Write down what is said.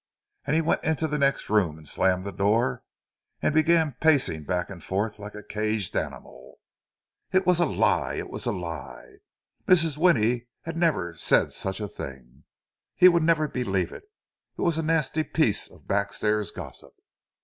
And he went into the next room and slammed the door, and began pacing back and forth like a caged animal. It was a lie! It was a lie! Mrs. Winnie had never said such a thing! He would never believe it—it was a nasty piece of backstairs gossip!